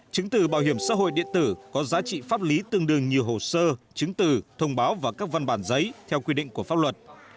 chứng từ bảo hiểm xã hội điện tử có giá trị pháp lý tương đương như hồ sơ chứng từ thông báo và các văn bản giấy theo quy định của pháp luật